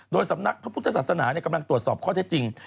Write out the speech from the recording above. โดยสำนักพระพุทธศาสนากำลังตรวจสอบข้อเท็จจริง